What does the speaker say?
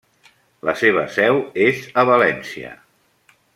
La seva seu és a València.